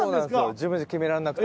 自分じゃ決められなくて。